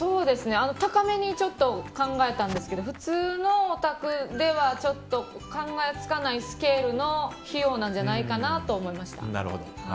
高めに考えたんですけど普通のお宅では考えつかないスケールの費用なんじゃないかなと思いました。